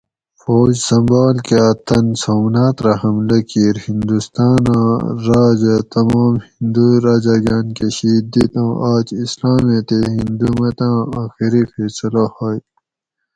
فوج سمبھال کا تن سومنات رہ حملہ کیِر ھندوستاۤںاۤں راۤج ھہ تمام ھندو راجاگاۤن کہ شید دِت اوُں آج اسلامیں تے ھندو متاں آخری فیصلہ ھوئ